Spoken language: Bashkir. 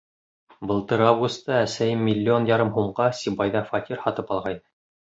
Былтыр августа әсәйем миллион ярым һумға Сибайҙа фатир һатып алғайны.